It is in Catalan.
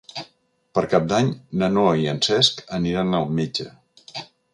Per Cap d'Any na Noa i en Cesc aniran al metge.